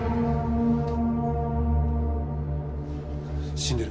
死んでる。